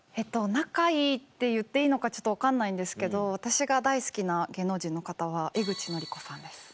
仲いいって言っていいのかちょっと分かんないんですけど私が大好きな芸能人の方は江口のりこさんです。